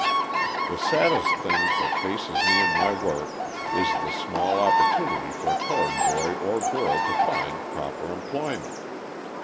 "The saddest thing that faces me in my work is the small opportunity for a coloured boy or girl to find proper employment.